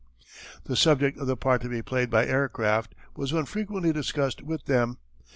The subject of the part to be played by aircraft was one frequently discussed with them.